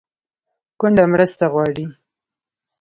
کونډه مرسته غواړي